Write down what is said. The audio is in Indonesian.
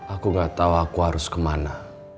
aku gak tahu aku harus kemana